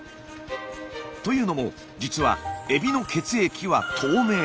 というのも実はエビの血液は透明。